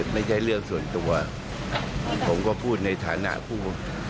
ไม่ใช่เรื่องส่วนตัวผมก็พูดในฐานะผู้